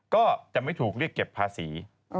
ก็จะไม่ถูกเรียกเก็บภาษี